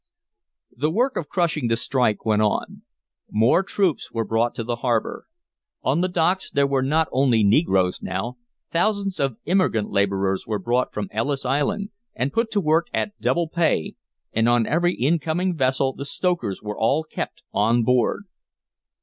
The work of crushing the strike went on. More troops were brought to the harbor. On the docks there were not only negroes now, thousands of immigrant laborers were brought from Ellis Island and put to work at double pay, and on every incoming vessel the stokers were all kept on board.